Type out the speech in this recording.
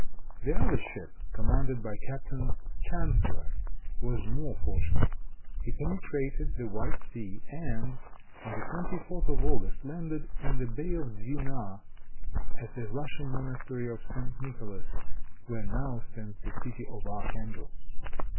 The other ship, commanded by Captain Chanceller, was more fortunate. He penetrated the White Sea, and, on the 24th of August, landed in the Bay of Dwina at the Russian monastery of St. Nicholas, where now stands the city of Archangel.